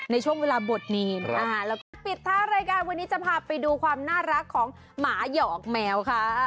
ในช่วงเวลาบทนี้นะคะแล้วก็ปิดท้ายรายการวันนี้จะพาไปดูความน่ารักของหมาหยอกแมวค่ะ